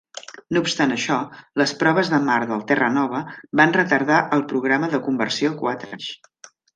No obstant això, les proves de mar del "Terra Nova" van retardar el programa de conversió quatre anys.